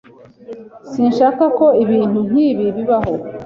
Sinshaka ko ibintu nkibi bibaho.